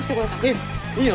えっ？いいの？